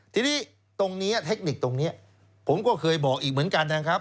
ทีนี้ตรงนี้เทคนิคตรงนี้ผมก็เคยบอกอีกเหมือนกันนะครับ